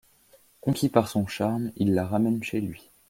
Conquis par son charme, il la ramène chez lui.